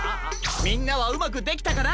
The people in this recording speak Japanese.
みんなはうまくできたかな？